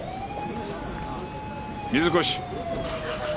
水越。